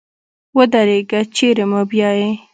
ودرېږه چېري مو بیایې ؟